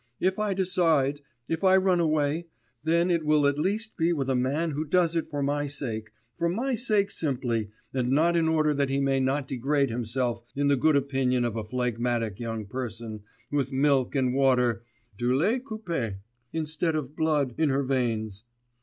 If I decide, if I run away, then it will at least be with a man who does it for my sake, for my sake simply, and not in order that he may not degrade himself in the good opinion of a phlegmatic young person, with milk and water, du lait coupé instead of blood, in her veins!